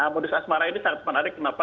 modus asmara ini sangat menarik kenapa